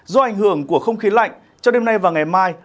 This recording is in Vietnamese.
do ảnh hưởng của không khí lạnh cho đêm nay và ngày mai